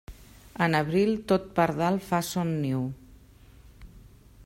En abril, tot pardal fa son niu.